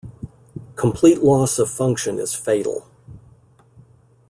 Complete loss of function is fatal.